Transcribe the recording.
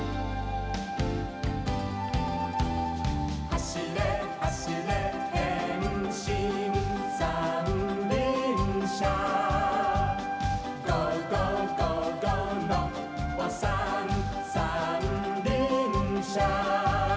「はしれはしれへんしんさんりんしゃ」「ゴーゴーゴーゴーノッポさんさんりんしゃ」